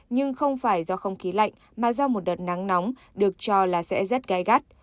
nhưng không phải do không khí lạnh mà do một đợt nắng nóng được cho là sẽ rất gai gắt